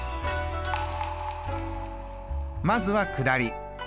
まずは下り。